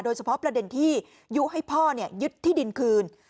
เฉพาะประเด็นที่ยุให้พ่อยึดที่ดินคืน